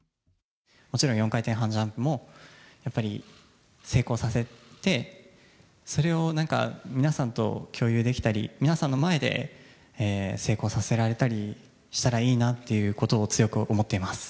もちろん４回転半ジャンプも、やっぱり成功させて、それをなんか皆さんと共有できたり、皆さんの前で成功させられたりしたらいいなっていうことを強く思っています。